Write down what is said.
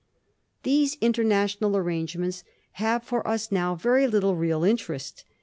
These international arrangements have for us now very little real interest.